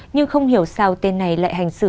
nhưng không hiểu sao tên này lại hành xử